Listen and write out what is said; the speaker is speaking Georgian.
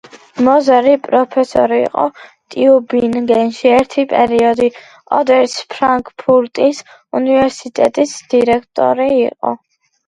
მოზერი პროფესორი იყო ტიუბინგენში, ერთი პერიოდი ოდერის ფრანკფურტის უნივერსიტეტის დირექტორი იყო.